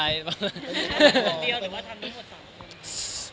เดี๋ยวหรือว่าทำให้ผลสำคัญ